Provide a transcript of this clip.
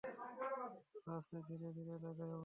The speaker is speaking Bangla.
চলো আস্তে-ধীরে আগাই আমরা!